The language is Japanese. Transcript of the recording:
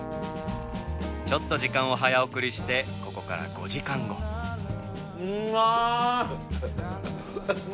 ちょっと時間を早送りしてここからうまっ！